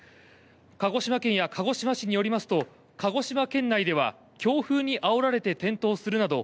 鹿児島県や鹿児島市によりますと鹿児島県内では強風にあおられて転倒するなど